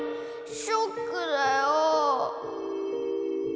ショックだよ。